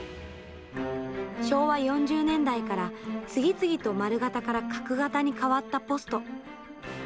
昭和４０年代から次々と丸型から角型に変わったポスト。